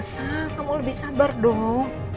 nih perasa kamu lebih sabar dong